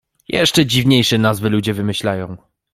Jeszcze dziwniejsze nazwy ludzie wymyślają